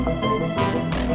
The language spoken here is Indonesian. gua tidak yakin